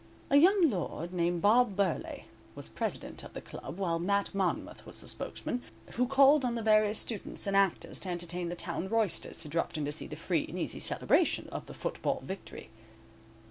A young lord named Bob Burleigh, was president of the club, while Mat Monmouth was the spokesman, who called on the various students and actors to entertain the town roysters who dropped in to see the free and easy celebration of the football victory.